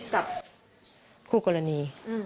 กับคู่กรณี